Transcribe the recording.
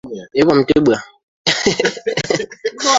Mwezi wa kwanza walifika bandari Afrika